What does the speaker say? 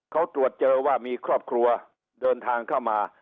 เขาตรวจเจอว่ามีครอบครัวเดินทางเข้ามา